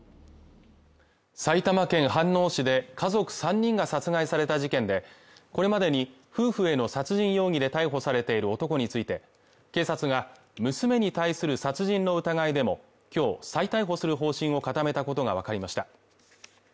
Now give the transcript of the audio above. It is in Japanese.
埼玉県飯能市で家族３人が殺害された事件でこれまでに夫婦への殺人容疑で逮捕されている男について警察が娘に対する殺人の疑いでも今日再逮捕する方針を固めたことが分かりました